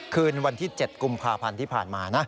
คืนวันที่๗กุมภาพันธ์ที่ผ่านมานะ